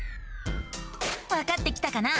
わかってきたかな？